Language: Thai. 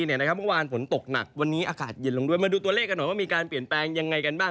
อันนั้นใต้ดินอันหนาไม่สนับสนุน